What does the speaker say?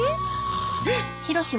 えっ！？